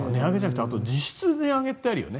実質値上げってあるよね